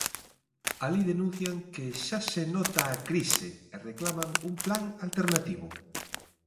Alí denuncian que xa se nota a crise e reclaman un plan alternativo.